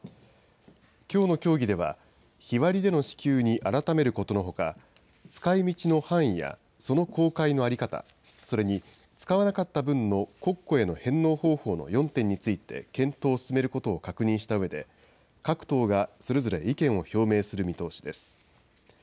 きょうの協議では、日割りでの支給に改めることのほか、使いみちの範囲やその公開の在り方、それに使わなかった分の国庫への返納方法の４点について検討を進めることを確認したうえで、各党がそれぞれ意見を表明する見通しです。